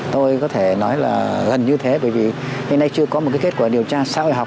tôi có thể nói là gần như thế bởi vì hiện nay chưa có một cái kết quả điều tra xã hội học